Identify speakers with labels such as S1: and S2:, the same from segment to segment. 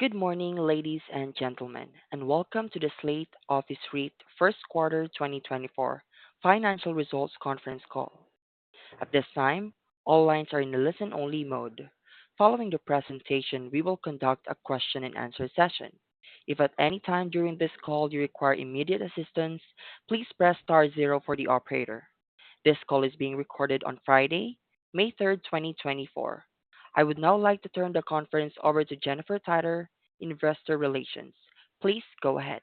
S1: Good morning, ladies and gentlemen, and welcome to the Slate Office REIT Q1 2024 Financial Results Conference Call. At this time, all lines are in a listen-only mode. Following the presentation, we will conduct a question-and-answer session. If at any time during this call you require immediate assistance, please press star zero for the operator. This call is being recorded on Friday, May 3, 2024. I would now like to turn the conference over to Jennifer Pyper, Investor Relations. Please go ahead.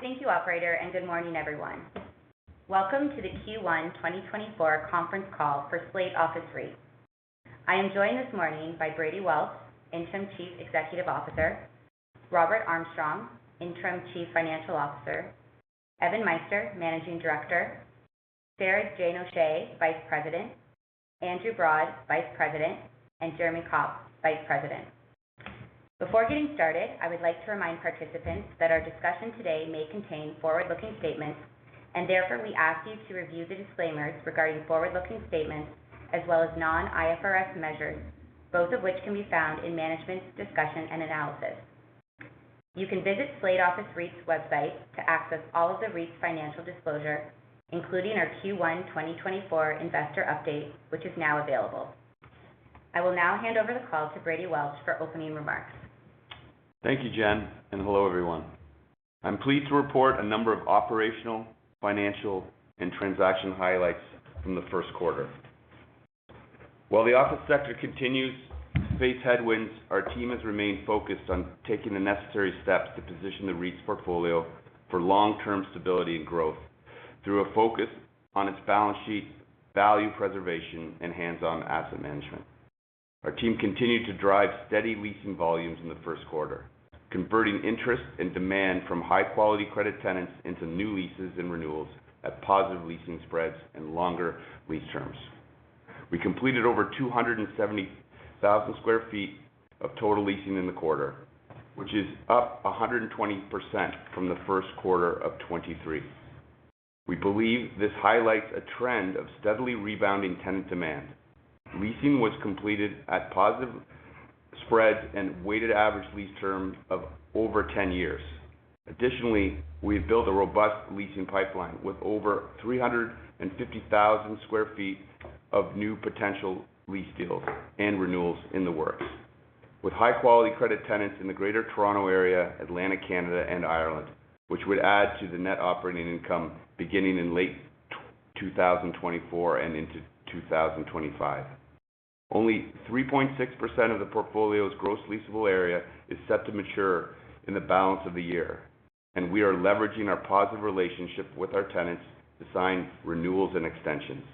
S2: Thank you, operator, and good morning, everyone. Welcome to the Q1 2024 conference call for Slate Office REIT. I am joined this morning by Brady Welch, Interim Chief Executive Officer, Robert Armstrong, Interim Chief Financial Officer, Evan Meister, Managing Director, Sarah Jane O'Shea, Vice President, Andrew Broad, Vice President, and Jeremy Kaupp, Vice President. Before getting started, I would like to remind participants that our discussion today may contain forward-looking statements, and therefore we ask you to review the disclaimers regarding forward-looking statements as well as non-IFRS measures, both of which can be found in management's Discussion and Analysis. You can visit Slate Office REIT's website to access all of the REIT's financial disclosure, including our Q1 2024 investor update, which is now available. I will now hand over the call to Brady Welch for opening remarks.
S3: Thank you, Jen, and hello, everyone. I'm pleased to report a number of operational, financial, and transaction highlights from the Q1. While the office sector continues to face headwinds, our team has remained focused on taking the necessary steps to position the REIT's portfolio for long-term stability and growth through a focus on its balance sheet, value preservation, and hands-on asset management. Our team continued to drive steady leasing volumes in the Q1, converting interest and demand from high-quality credit tenants into new leases and renewals at positive leasing spreads and longer lease terms. We completed over 270,000 sq ft of total leasing in the quarter, which is up 120% from the Q1 of 2023. We believe this highlights a trend of steadily rebounding tenant demand. Leasing was completed at positive spreads and weighted average lease terms of over 10 years. Additionally, we've built a robust leasing pipeline with over 350,000 sq ft of new potential lease deals and renewals in the works, with high-quality credit tenants in the Greater Toronto Area, Atlantic Canada, and Ireland, which would add to the net operating income beginning in late 2024 and into 2025. Only 3.6% of the portfolio's gross leasable area is set to mature in the balance of the year, and we are leveraging our positive relationship with our tenants to sign renewals and extensions.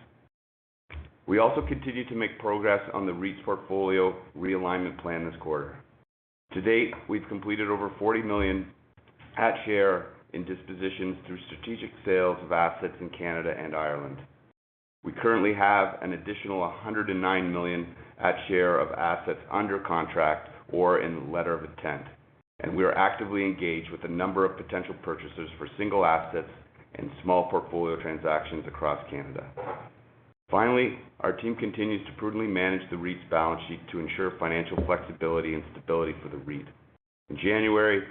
S3: We also continued to make progress on the REIT's portfolio realignment plan this quarter. To date, we've completed over 40 million at share in dispositions through strategic sales of assets in Canada and Ireland. We currently have an additional 109 million at share of assets under contract or in the letter of intent, and we are actively engaged with a number of potential purchasers for single assets and small portfolio transactions across Canada. Finally, our team continues to prudently manage the REIT's balance sheet to ensure financial flexibility and stability for the REIT. In January,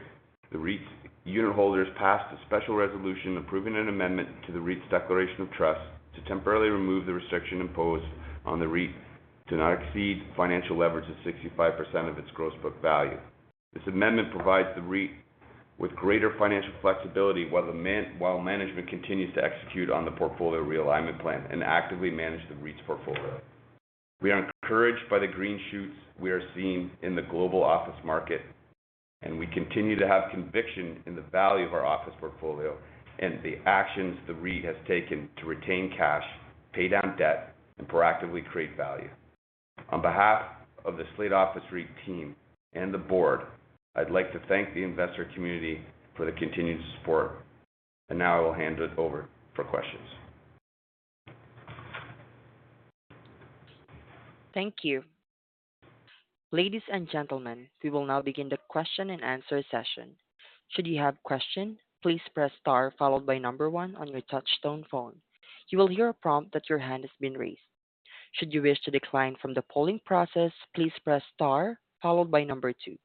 S3: the REIT's unitholders passed a special resolution approving an amendment to the REIT's Declaration of Trust to temporarily remove the restriction imposed on the REIT to not exceed financial leverage of 65% of its gross book value. This amendment provides the REIT with greater financial flexibility, while management continues to execute on the portfolio realignment plan and actively manage the REIT's portfolio. We are encouraged by the green shoots we are seeing in the global office market, and we continue to have conviction in the value of our office portfolio and the actions the REIT has taken to retain cash, pay down debt, and proactively create value. On behalf of the Slate Office REIT team and the board, I'd like to thank the investor community for the continued support. And now I will hand it over for questions.
S1: Thank you. Ladies and gentlemen, we will now begin the Q&A session. Should you have a question, please press star followed by number one on your Touch-Tone phone. You will hear a prompt that your hand has been raised. Should you wish to decline from the polling process, please press star followed by number two.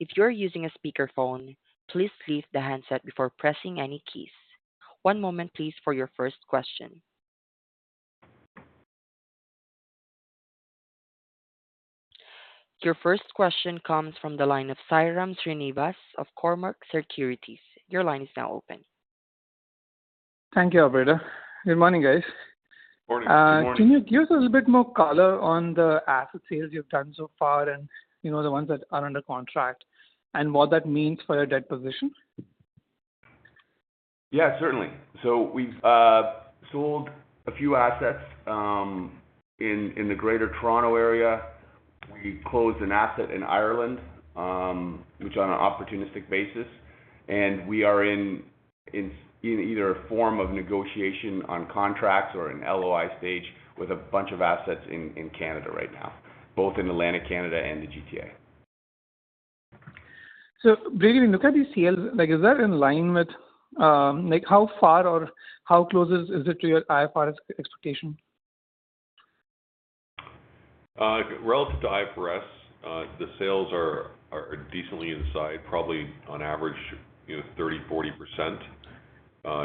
S1: If you are using a speakerphone, please leave the handset before pressing any keys. One moment, please, for your first question. Your first question comes from the line of Sairam Srinivas of Cormark Securities. Your line is now open.
S4: Thank you, operator. Good morning, guys.
S3: Good morning. Good morning.
S4: Can you give us a bit more color on the asset sales you've done so far and, you know, the ones that are under contract, and what that means for your debt position?
S3: Yeah, certainly. So we've sold a few assets in the Greater Toronto Area. We closed an asset in Ireland, which on an opportunistic basis, and we are in either a form of negotiation on contracts or in LOI stage with a bunch of assets in Canada right now, both in Atlantic Canada and the GTA....
S4: So when you look at these sales, like, is that in line with, like how far or how close is it to your IFRS expectation?
S5: Relative to IFRS, the sales are, are decently inside, probably on average, you know, 30%-40%,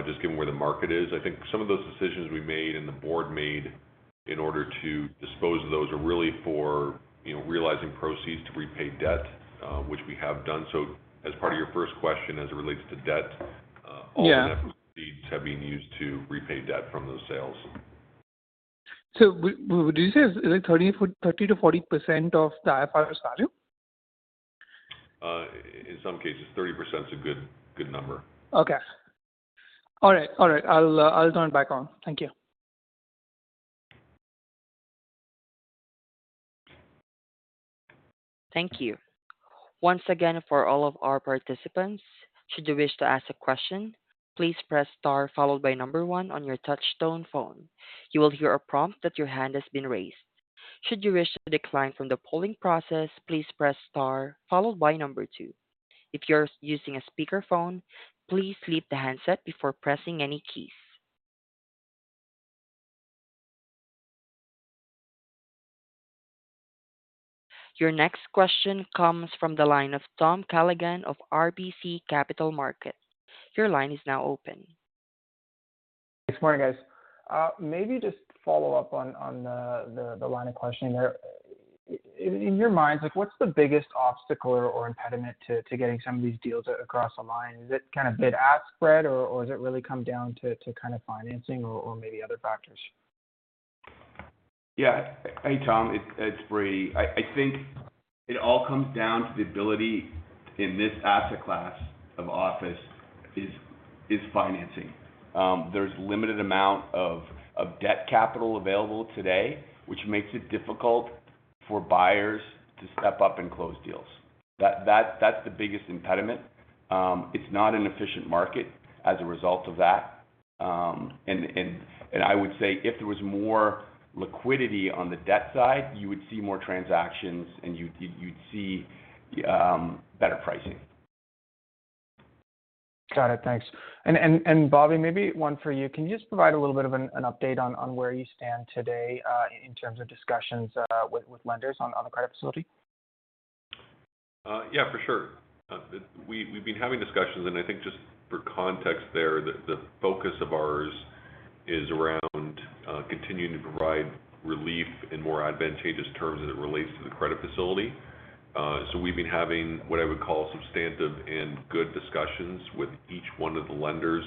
S5: just given where the market is. I think some of those decisions we made and the board made in order to dispose of those, are really for, you know, realizing proceeds to repay debt, which we have done. So as part of your first question, as it relates to debt,
S4: Yeah.
S5: All the net proceeds have been used to repay debt from those sales.
S4: Did you say is it 30%-40% of the IFRS value?
S5: In some cases, 30% is a good, good number.
S4: Okay. All right, all right, I'll turn it back on. Thank you.
S1: Thank you. Once again, for all of our participants, should you wish to ask a question, please press star followed by 1 on your touch tone phone. You will hear a prompt that your hand has been raised. Should you wish to decline from the polling process, please press star followed by 2. If you're using a speakerphone, please leave the handset before pressing any keys. Your next question comes from the line of Tom Callaghan of RBC Capital Markets. Your line is now open.
S6: Good morning, guys. Maybe just follow up on the line of questioning there. In your minds, like, what's the biggest obstacle or impediment to getting some of these deals across the line? Is it kind of bid-ask spread, or does it really come down to kind of financing or maybe other factors?
S3: Yeah. Hey, Tom, it's Brady. I think it all comes down to the ability in this asset class of office is financing. There's limited amount of debt capital available today, which makes it difficult for buyers to step up and close deals. That's the biggest impediment. It's not an efficient market as a result of that. And I would say if there was more liquidity on the debt side, you would see more transactions and you'd see better pricing.
S6: Got it. Thanks. And Bobby, maybe one for you. Can you just provide a little bit of an update on where you stand today, in terms of discussions with lenders on the credit facility?
S5: Yeah, for sure. We've been having discussions, and I think just for context there, the focus of ours is around continuing to provide relief in more advantageous terms as it relates to the credit facility. So we've been having what I would call substantive and good discussions with each one of the lenders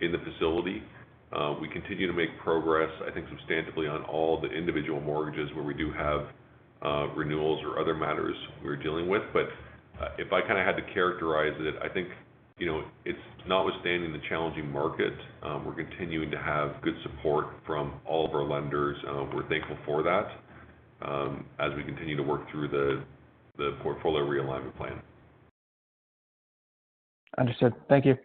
S5: in the facility. We continue to make progress, I think, substantively on all the individual mortgages where we do have renewals or other matters we're dealing with. But if I kind of had to characterize it, I think, you know, it's not withstanding the challenging market, we're continuing to have good support from all of our lenders. We're thankful for that, as we continue to work through the portfolio realignment plan.
S6: Understood. Thank you.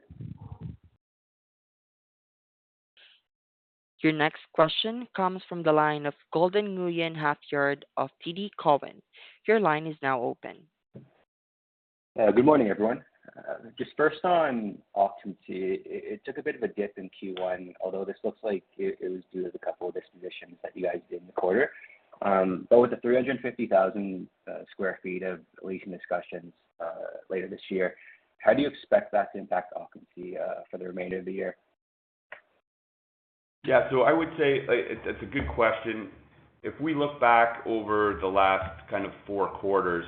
S1: Your next question comes from the line of Golden Nguyen-Halfyard of TD Cowen. Your line is now open.
S7: Good morning, everyone. Just first on occupancy, it took a bit of a dip in Q1, although this looks like it was due to the couple of dispositions that you guys did in the quarter. But with the 350,000 sq ft of leasing discussions later this year, how do you expect that to impact occupancy for the remainder of the year?
S3: Yeah. So I would say, it's, it's a good question. If we look back over the last kind of four quarters,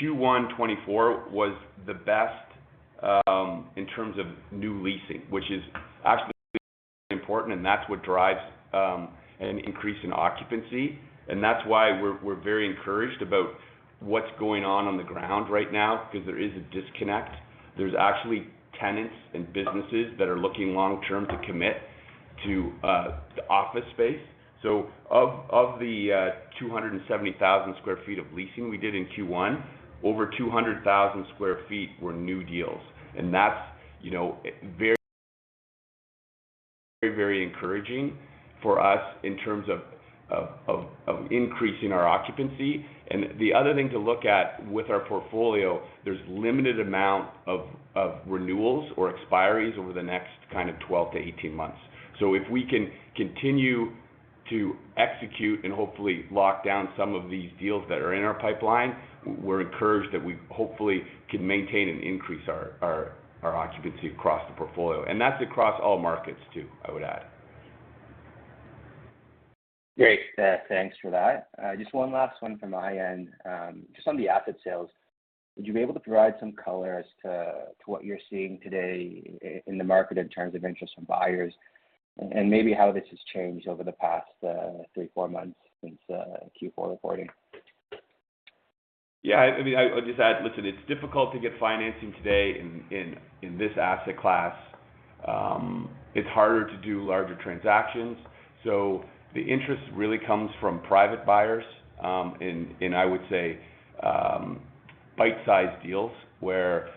S3: Q1 2024 was the best, in terms of new leasing, which is actually important, and that's what drives, an increase in occupancy. And that's why we're, we're very encouraged about what's going on on the ground right now, because there is a disconnect. There's actually tenants and businesses that are looking long term to commit to, the office space. So of, of the, two hundred and seventy thousand square feet of leasing we did in Q1, over 200,000 sq ft were new deals. And that's, you know, very very encouraging for us in terms of increasing our occupancy. The other thing to look at with our portfolio, there's a limited amount of renewals or expiries over the next kind of 12-18 months. So if we can continue to execute and hopefully lock down some of these deals that are in our pipeline, we're encouraged that we hopefully can maintain and increase our occupancy across the portfolio. And that's across all markets too, I would add.
S7: Great. Thanks for that. Just one last one from my end. Just on the asset sales, would you be able to provide some color as to what you're seeing today in the market in terms of interest from buyers? And maybe how this has changed over the past three, four months since Q4 reporting.
S3: Yeah, I mean, I'll just add. Listen, it's difficult to get financing today in this asset class. It's harder to do larger transactions, so the interest really comes from private buyers, and I would say, bite-sized deals where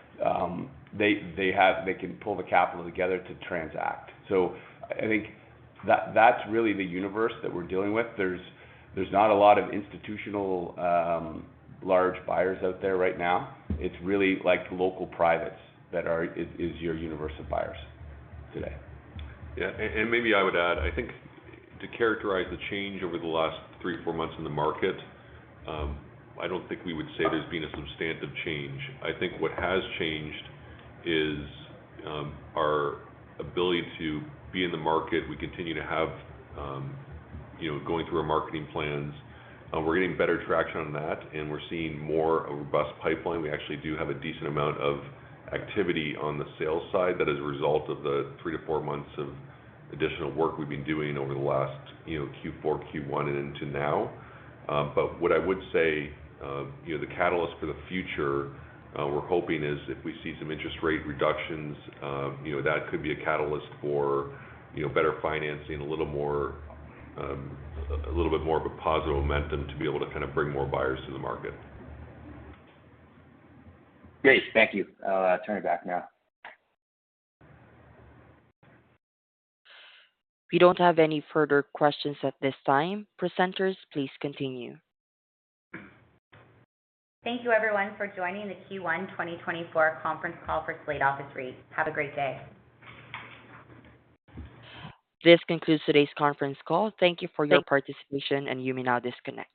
S3: they have-- they can pull the capital together to transact. So I think that, that's really the universe that we're dealing with. There's not a lot of institutional large buyers out there right now. It's really like local privates that is your universe of buyers today.
S5: Yeah. And maybe I would add, I think to characterize the change over the last three or four months in the market, I don't think we would say there's been a substantive change. I think what has changed is our ability to be in the market. We continue to have, you know, going through our marketing plans. We're getting better traction on that, and we're seeing more of a robust pipeline. We actually do have a decent amount of activity on the sales side that is a result of the three to four months of additional work we've been doing over the last, you know, Q4, Q1, and into now. But what I would say, you know, the catalyst for the future, we're hoping is if we see some interest rate reductions, you know, that could be a catalyst for, you know, better financing, a little more, a little bit more of a positive momentum to be able to kind of bring more buyers to the market.
S7: Great. Thank you. I'll turn it back now.
S1: We don't have any further questions at this time. Presenters, please continue.
S2: Thank you, everyone, for joining the Q1 2024 conference call for Slate Office REIT. Have a great day.
S1: This concludes today's conference call. Thank you for your participation, and you may now disconnect.